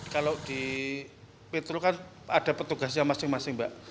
kalau di petro kan ada petugasnya masing masing mbak